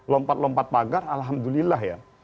lompat lompat pagar alhamdulillah ya